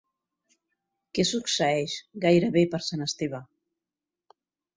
Que succeeix, gairebé per sant Esteve.